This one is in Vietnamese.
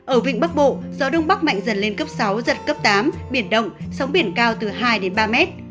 ở vịnh bắc bộ gió đông bắc mạnh dần lên cấp sáu giật cấp tám biển động sóng biển cao từ hai đến ba mét